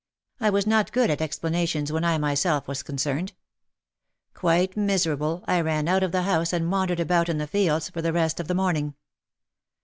I was not good at explanations when I myself was concerned. Quite mis erable, I ran out of the house and wandered about in the fields for the rest of the morning.